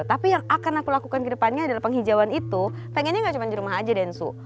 tapi yang akan aku lakukan ke depannya adalah penghijauan itu pengennya gak cuma di rumah aja densu